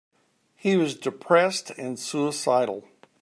He was depressed and suicidal.